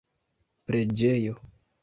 preĝejo